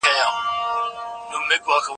دبهارښکلې وږمه ده